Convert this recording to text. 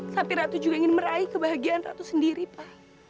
tapi ratu juga ingin meraih kebahagiaan ratu sendiri pak